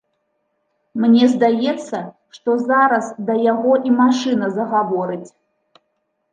Мне здаецца, што зараз да яго і машына загаворыць.